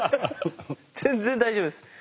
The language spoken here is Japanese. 全然大丈夫ですはい。